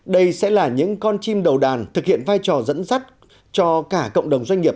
đây sẽ là những con chim đầu đàn thực hiện vai trò dẫn dắt cho cả cộng đồng doanh nghiệp